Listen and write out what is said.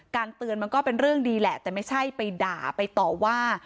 เตือนมันก็เป็นเรื่องดีแหละแต่ไม่ใช่ไปด่าไปต่อว่า